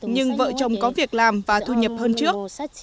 nhưng vợ chồng có việc làm và thu nhập hơn trước